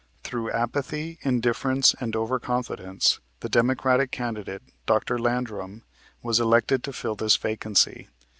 Through apathy, indifference and overconfidence, the Democratic candidate, Dr. Landrum, was elected to fill this vacancy.